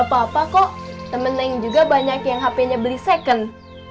bapak kok temennya juga banyak yang hpnya beli second